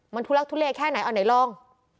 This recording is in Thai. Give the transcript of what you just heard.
มันทุลักทุเลแค่ไหนเอาไหนลอง